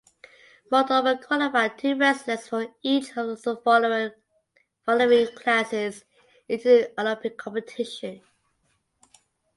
Moldova qualified two wrestlers for each of the following classes into the Olympic competition.